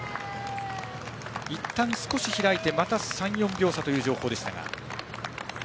いったん少し開いてまた３４秒差という情報ですが。